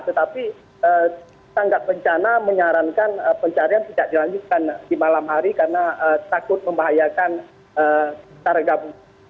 tetapi tanggap bencana menyarankan pencarian tidak dilanjutkan di malam hari karena takut membahayakan saragam